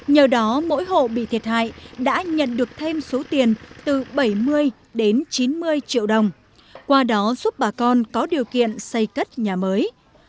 nhờ đó mỗi hộ bị thiệt hại đã nhận được thêm số tiền từ bảy mươi đến chín mươi triệu đồng qua đó giúp bà con có điều kiện xây cất nhà mới